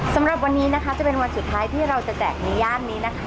สำหรับวันนี้นะคะจะเป็นวันสุดท้ายที่เราจะแจกในย่านนี้นะคะ